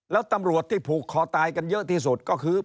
แล้วตำรวจที่ผูกคอตายกันเยอะที่สุดก็คือ